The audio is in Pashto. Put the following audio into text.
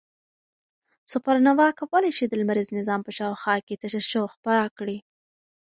سوپرنووا کولای شي د لمریز نظام په شاوخوا کې تشعشع خپره کړي.